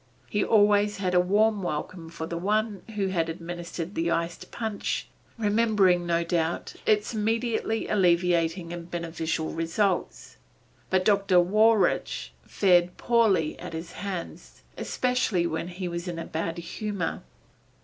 He always had a warm welcome for the one who had administered the iced punch, remembering no doubt its immediately alleviating and beneficial results, but Dr. Wawruch fared poorly at his hands, especially when he was in a bad humor.